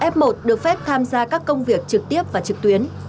f một được phép tham gia các công việc trực tiếp và trực tuyến